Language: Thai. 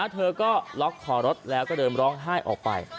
เธอก็ล็อกคอรถแล้วก็เดินร้องไห้ออกไป